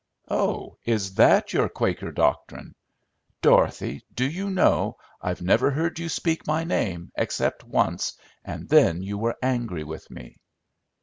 "Oh, is that your Quaker doctrine? Dorothy, do you know, I've never heard you speak my name, except once, and then you were angry with me."